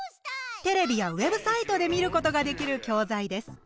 テレビやウェブサイトで見ることができる教材です。